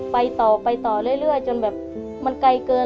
ไปต่อไปต่อเรื่อยจนแบบมันไกลเกิน